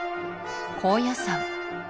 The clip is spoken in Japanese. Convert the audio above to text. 高野山